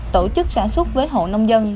tổ chức sản xuất với hộ nông dân